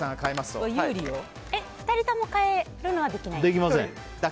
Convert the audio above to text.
２人とも変えるのはできません。